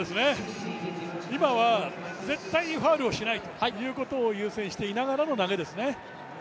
今は絶対にファウルをしないということを優先していながらの投げですね。